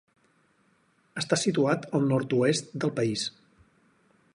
Està situat al nord-oest del país.